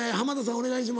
お願いします。